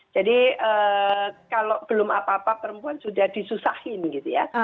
jadi kalau belum apa apa perempuan sudah disusahin gitu ya